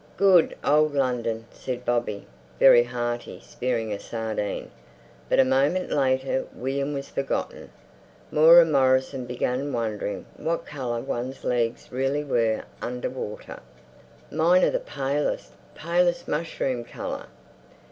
"Good old London," said Bobby, very hearty, spearing a sardine. But a moment later William was forgotten. Moira Morrison began wondering what colour one's legs really were under water. "Mine are the palest, palest mushroom colour."